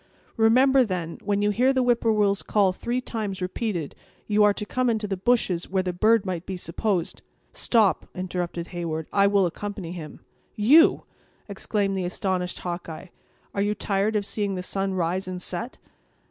Remember, then, when you hear the whip poor will's call three times repeated, you are to come into the bushes where the bird might be supposed—" "Stop," interrupted Heyward; "I will accompany him." "You!" exclaimed the astonished Hawkeye; "are you tired of seeing the sun rise and set?"